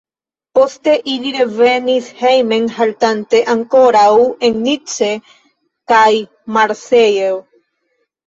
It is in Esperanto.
Poste ili revenis hejmen haltante ankoraŭ en Nice kaj Marseille.